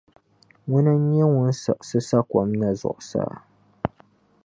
Ŋuna n-nyɛ ŋun siɣisi sa’ kom na zuɣusaa.